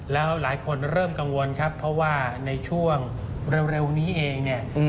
แล้วหลายคนเริ่มกังวลครับเพราะว่าในช่วงเร็วนี้เองเนี่ย